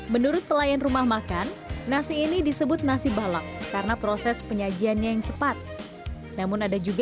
menurut pelayan rumah makan nasi ini disebut nasi balak karena proses penyajiannya yang cepat namun ada juga